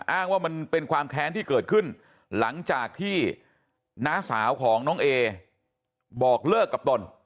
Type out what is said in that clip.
อ้างว่ามันเป็นความแค้นที่เกิดขึ้นหลังจากที่น้าสาวของน้องเอบอกเลิกกับตน